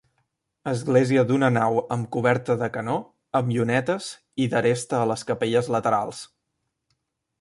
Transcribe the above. Església d'una nau amb coberta de canó amb llunetes i d'aresta a les capelles laterals.